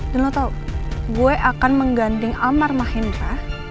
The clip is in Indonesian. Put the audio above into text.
dan lo tau gue akan mengganding amar mahendra